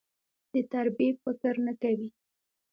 د تربيې فکر نه کوي.